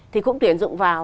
thì cũng tuyển dụng vào